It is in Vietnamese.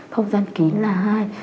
không gian kín là hai